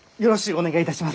お願いいたします！